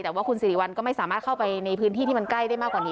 แต่ว่าคุณสิริวัลก็ไม่สามารถเข้าไปในพื้นที่ที่มันใกล้ได้มากกว่านี้